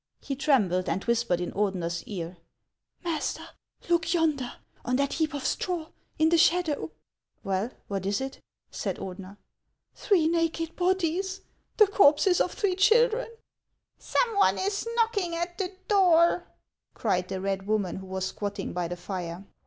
He trembled, and whispered in Ordener's ear, — "Master, look yonder, on that heap of straw, in the shadow !"" Well, what is it ?" said Ordener. " Three naked bodies, — the corpses of three children !" "Some one is knocking at the door," cried the red woman, who was squatting by the fire.